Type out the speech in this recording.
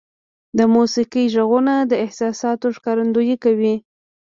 • د موسیقۍ ږغونه د احساساتو ښکارندویي کوي.